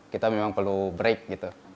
kita memang perlu break gitu